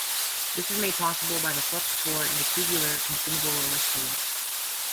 This is made possible by the flux core in the tubular consumable electrode.